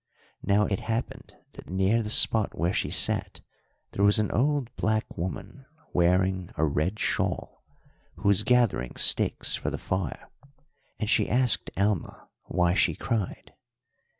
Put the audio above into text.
Now, it happened that near the spot where she sat there was an old black woman wearing a red shawl, who was gathering sticks for the fire, and she asked Alma why she cried.